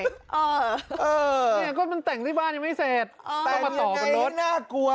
เออเออนี่ก็มันแต่งที่บ้านยังไม่เสร็จต้องมาต่อเป็นรถแต่งยังไงให้น่ากลัว